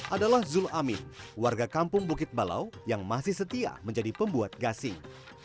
adalah zul amin warga kampung bukit balau yang masih setia menjadi pembuat gasing